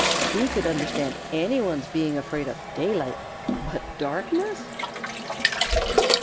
He could understand any one's being afraid of daylight, but darkness